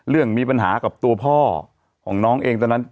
มีปัญหากับตัวพ่อของน้องเองตอนนั้น